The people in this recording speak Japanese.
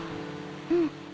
うん。